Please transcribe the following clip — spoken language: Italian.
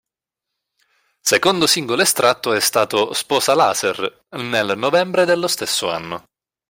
Secondo singolo estratto è stato "Sposa Laser", nel novembre dello stesso anno.